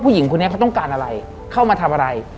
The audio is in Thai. ผู้หญิงคนนี้เขาต้องการอะไรเข้ามาทำอะไร